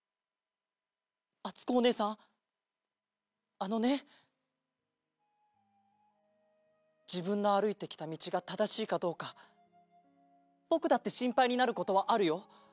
あのねじぶんのあるいてきたみちがただしいかどうかぼくだってしんぱいになることはあるよ。